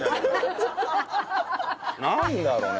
なんだろうね。